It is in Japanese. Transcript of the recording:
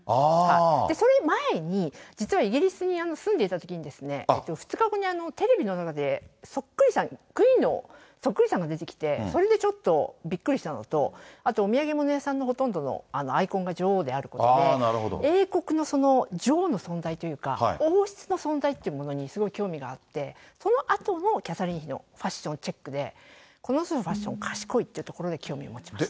その前に実はイギリスに住んでいたときに、にテレビの中でそっくりさん、クイーンのそっくりさんが出てきて、それでちょっとびっくりしたのと、あと土産物屋さんのほとんどがアイコンが女王であることで、英国のその女王の存在というか、王室の存在っていうものにすごい興味があって、そのあとのキャサリン妃のファッションチェックで、この人のファッション、賢いというところで興味を持ちました。